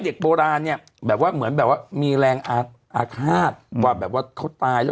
เด็กโบราณเนี่ยแบบว่าเหมือนแบบว่ามีแรงอาฆาตว่าแบบว่าเขาตายแล้ว